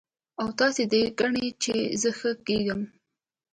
او تاسو دا ګڼئ چې زۀ ښۀ کېږم